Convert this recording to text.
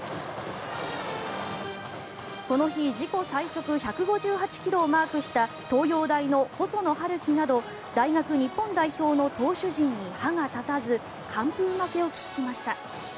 この日自己最速１５８ｋｍをマークした東洋大の細野晴希など大学日本代表の投手陣に歯が立たず完封負けを喫しました。